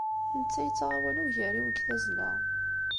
Netta yettɣawal ugar-iw deg tazzla.